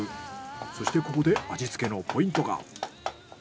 そしてここで味付けのポイントが。